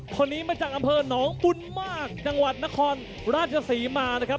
คนนี้มาจากอำเภอหนองบุญมากจังหวัดนครราชศรีมานะครับ